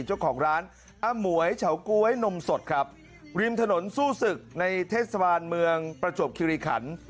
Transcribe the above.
เจ้าของร้านอมวยเฉาก๊วยนมสดครับริมถนนสู้ศึกในเทศบาลเมืองประจวบคิริขัน